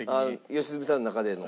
良純さんの中での？